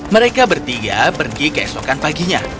mereka bertiga pergi keesokan paginya